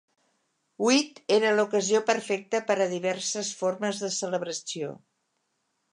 Whit era l"ocasió perfecta per a diverses formes de celebració.